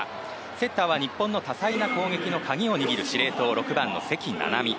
セッターは日本の多彩な攻撃の鍵を握る司令塔、６番の関菜々巳。